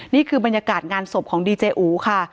นี่คือบรรยากาศงานศพของดีเจอูค่ะ